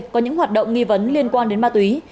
có những hoạt động nghi vấn liên quan đến ma túy